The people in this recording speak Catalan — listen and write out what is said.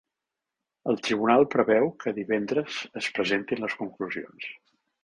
El tribunal preveu que divendres es presentin les conclusions.